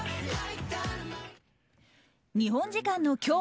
日本時間の今日